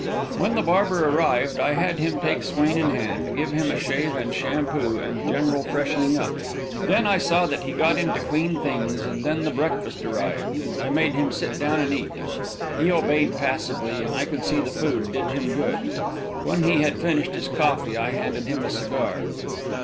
When the barber arrived, I had him take Swain in hand, give him a shave and shampoo and general freshening up. Then I saw that he got into clean things; and then the breakfast arrived, and I made him sit down and eat. He obeyed passively, and I could see the food did him good. When he had finished his coffee, I handed him a cigar.